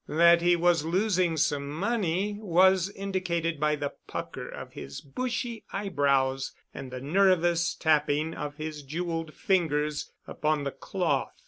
That he was losing some money was indicated by the pucker of his bushy eyebrows and the nervous tapping of his jeweled fingers upon the cloth.